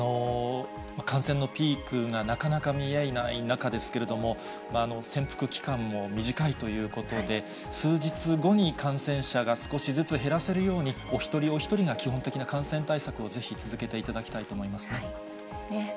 感染のピークがなかなか見えない中ですけれども、潜伏期間も短いということで、数日後に感染者が少しずつ減らせるように、お一人お一人が基本的な感染対策をぜひ続けていただきたいと思いますね。